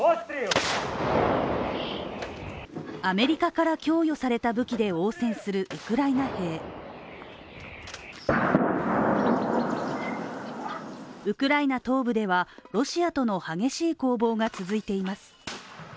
アメリカから供与された武器で応戦するウクライナ兵ウクライナ東部では、ロシアとの激しい攻防が続いています。